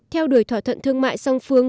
theo đuổi thỏa thuận thương mại song phương